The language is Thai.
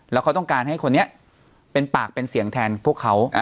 แล้วเขาต้องการให้คนนี้เป็นปากเป็นเสียงแทนพวกเขา